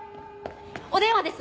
お電話です。